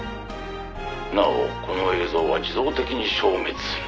「なおこの映像は自動的に消滅する」